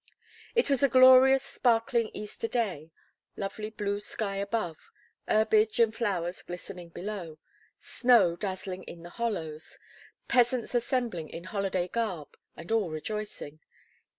It was a glorious sparkling Easter Day, lovely blue sky above, herbage and flowers glistening below, snow dazzling in the hollows, peasants assembling in holiday garb, and all rejoicing.